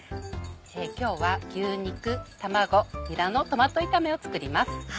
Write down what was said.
今日は「牛肉卵にらのトマト炒め」を作ります。